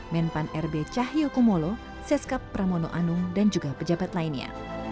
men pan r b cahyokumolo seskap pramono anung dan juga pejabat lainnya